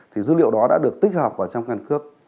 thì dữ liệu đó đã được tích hợp vào trong căn cước